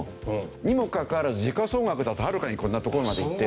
にもかかわらず時価総額だとはるかにこんな所までいってる。